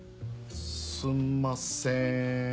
すんません。